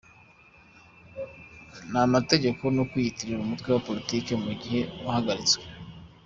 n’amategeko no kwiyitirira umutwe wa politiki mu gihe wahagaritswe